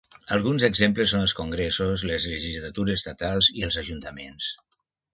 Alguns exemples són els congressos, les legislatures estatals i els ajuntaments.